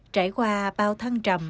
trải qua bao thăng trầm